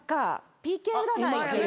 ＰＫ占いっていう。